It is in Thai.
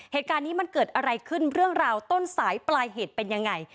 เหตุการณ์นี้มันเกิดอะไรขึ้นเรื่องราวต้นสายปลายเหตุเป็นยังไง